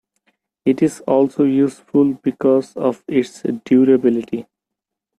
It is also useful because of its durability.